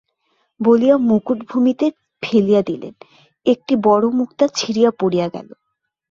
বলিয়া মুকুট ভূমিতে ফেলিয়া দিলেন, একটি বড়ো মুক্তা ছিঁড়িয়া পড়িয়া গেল।